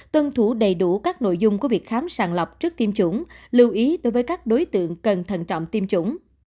tuân thủ đầy đủ các nội dung của việc khám sàng lọc trước tiêm chủng lưu ý đối với các đối tượng cần thận trọng tiêm chủng